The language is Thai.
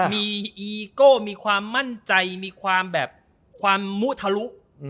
มีอีโก้มีความมั่นใจมีความแบบความมุทะลุ